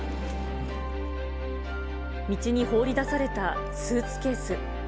道に放り出されたスーツケース。